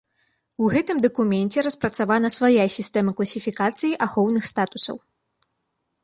У гэтым дакуменце распрацавана свая сістэма класіфікацыі ахоўных статусаў.